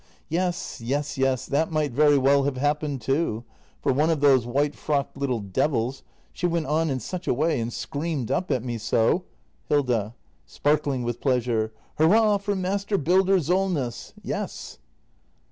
} Yes, yes, yes, that might very well have happened, too. For one of those white frocked little devils, — she went on in such a way, and screamed up at me so Hilda. [Sparkling ivith pleasure.] " Hurra for Master Builder Solness!" Yes!